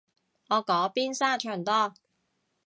我嗰邊沙場多